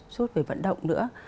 suốt về vận động nữa